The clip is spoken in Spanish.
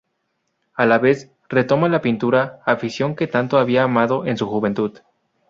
A la vez, retoma la pintura, afición que tanto había amado en su juventud.